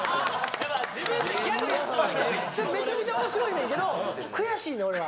めちゃめちゃ面白いねんけど悔しいの俺は。